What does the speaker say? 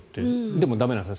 でも、駄目なんですね